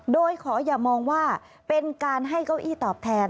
โดยขออย่ามองว่าเป็นการให้เก้าอี้ตอบแทน